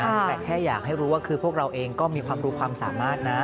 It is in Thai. แต่แค่อยากให้รู้ว่าคือพวกเราเองก็มีความรู้ความสามารถนะ